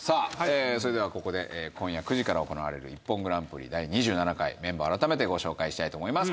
それではここで今夜９時から行われる『ＩＰＰＯＮグランプリ』第２７回メンバーあらためてご紹介したいと思います。